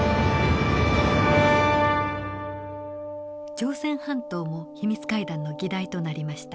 朝鮮半島も秘密会談の議題となりました。